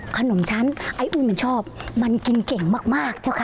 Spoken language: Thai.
ขนมชั้นมันชอบมันกินแก่งมากเจ้าค่ะ